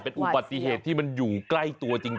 เป็นอุบัติเหตุที่มันอยู่ใกล้ตัวจริง